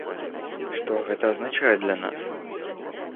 Што гэта азначае для нас?